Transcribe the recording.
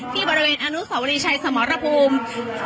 ที่บริเวณอนุสาวรีชัยสมรภูมิ